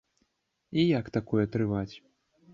І як такое трываць?